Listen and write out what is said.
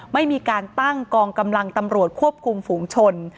ไม่มีการตั้งกองกำลังตำรวจควบคุมฝูงชน